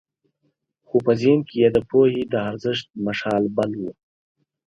خو په ذهن کې یې د پوهې د ارزښت مشال بل و.